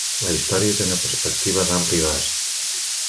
La història té una perspectiva d'ampli abast.